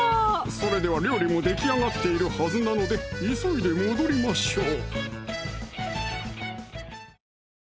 それでは料理もできあがっているはずなので急いで戻りましょう！